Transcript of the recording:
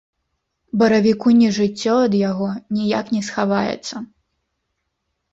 Баравіку не жыццё ад яго, ніяк не схаваецца.